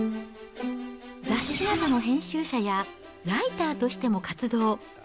雑誌などの編集者や、ライターとしても活動。